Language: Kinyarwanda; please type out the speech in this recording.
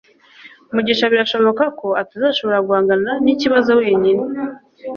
mugisha birashoboka ko atazashobora guhangana nikibazo wenyine